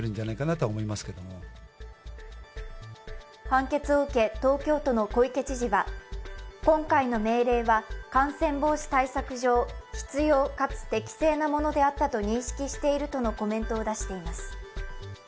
判決を受け、東京都の小池知事は今回の命令は、感染防止対策上、必要かつ適正なものであったと認識しているとのコメントを出しています。